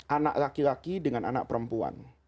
anak laki laki dengan anak perempuan